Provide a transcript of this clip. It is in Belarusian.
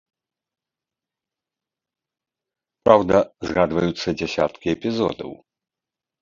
Праўда, згадваюцца дзясяткі эпізодаў.